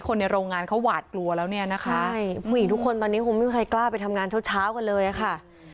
ในโรงงานเขาหวาดกลัวแล้วเนี่ยนะคะใช่ผู้หญิงทุกคนตอนนี้คงไม่มีใครกล้าไปทำงานเช้าเช้ากันเลยอะค่ะ